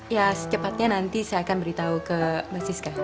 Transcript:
ya secepatnya nanti saya akan beritahu ke mas siska